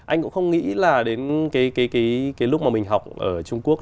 anh cũng không nghĩ là đến cái lúc mà mình học ở trung quốc